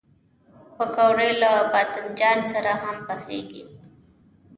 پکورې له بادنجان سره هم پخېږي